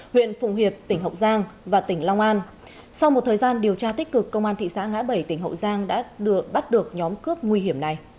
huyện phụng hiệp tỉnh hậu giang và tỉnh long an sau một thời gian điều tra tích cực công an thị xã ngã bảy tỉnh hậu giang đã bắt được nhóm cướp nguy hiểm này